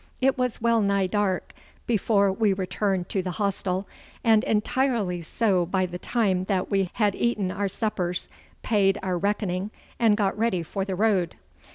It was well nigh dark before we returned to the hostel, and entirely so by the time that we had eaten our suppers, paid our reckoning, and got ready for the road.